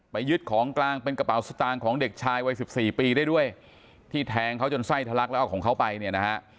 ยึดของกลางเป็นกระเป๋าสตางค์ของเด็กชายวัยสิบสี่ปีได้ด้วยที่แทงเขาจนไส้ทะลักแล้วเอาของเขาไปเนี่ยนะฮะ